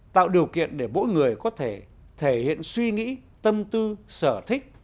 tạo điều kiện để mỗi người có thể thể hiện suy nghĩ tâm tư sở thích